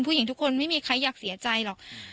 ผู้หญิงทุกคนไม่มีใครอยากเสียใจหรอก